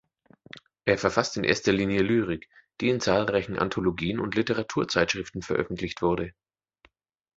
Er verfasst in erster Linie Lyrik, die in zahlreichen Anthologien und Literaturzeitschriften veröffentlicht wurde.